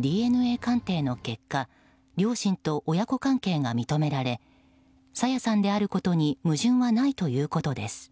ＤＮＡ鑑定の結果両親と親子関係が認められ朝芽さんであることに矛盾はないということです。